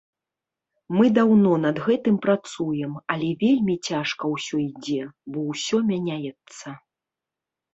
Мы даўно над гэтым працуем, але вельмі цяжка ўсё ідзе, бо ўсё мяняецца.